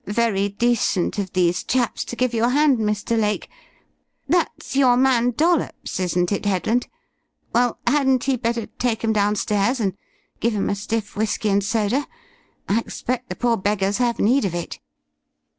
Very decent of these chaps to give you a hand, Mr. Lake. That's your man, Dollops, isn't it, Headland? Well, hadn't he better take 'em downstairs and give 'em a stiff whisky and soda? I expect the poor beggars have need of it."